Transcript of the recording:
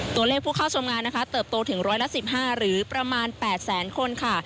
ตัวเลขผู้เข้าชมงานนะคะเติบโตถึงร้อยละ๑๕หรือประมาณ๘แสนคนค่ะ